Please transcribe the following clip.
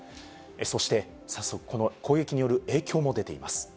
そして早速、この攻撃による影響も出ています。